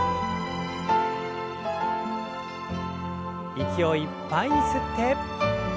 息をいっぱいに吸って。